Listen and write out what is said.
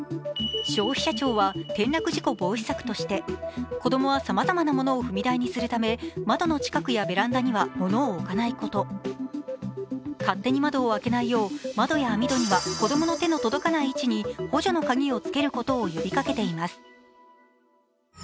消費者庁は転落事故防止策として、子供はさまざまなものを踏み台にするため窓の近くやベランダには物を置かないこと、勝手に窓を開けないよう窓や網戸には子供の手の届かない位置に補助の鍵をつけることなどを呼びかけています。